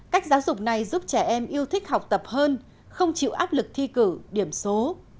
cách giáo dục này giúp trẻ em yêu thích học tập hơn không chịu áp lực thi cử điểm số